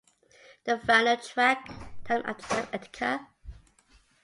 The final track, Time After Time, Etc.